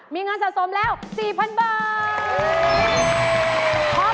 มีเงินสะสมแล้ว๔๐๐๐บาท